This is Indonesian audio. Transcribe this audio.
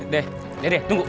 deh dede tunggu